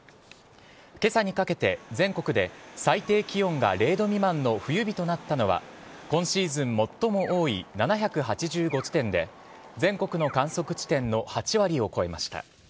けさにかけて全国で最低気温が０度未満の冬日となったのは、今シーズン最も多い７８５地点で、全国の観測地点の８割を超えました。